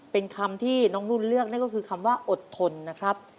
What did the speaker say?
เป็นคำที่น้องนุ่นเลือกนั่นก็คือคำว่าอดทนนะครับ